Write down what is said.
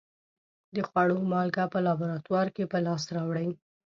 د خوړو مالګه په لابراتوار کې په لاس راوړي.